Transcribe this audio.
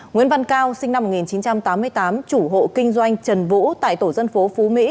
nguyễn văn cao sinh năm một nghìn chín trăm tám mươi tám chủ hộ kinh doanh trần vũ tại tổ dân phố phú mỹ